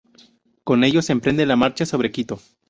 Con ellos emprende la marcha sobre Quito.